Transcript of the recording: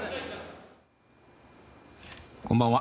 こんばんは。